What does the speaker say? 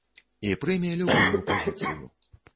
І прыме любую пазіцыю.